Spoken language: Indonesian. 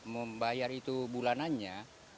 membayar itu bulanannya